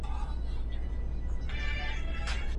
تر ټولو مستحق کسان تل په ژوند کي مخکي نه ځي.